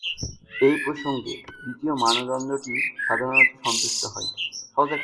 এই প্রসঙ্গে, দ্বিতীয় মানদণ্ডটি সাধারণত সন্তুষ্ট হয়।